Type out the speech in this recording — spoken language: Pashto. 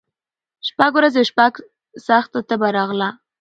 شپږ ورځي او شپي سخته تبه راغله